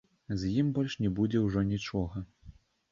За ім больш не будзе ўжо нічога.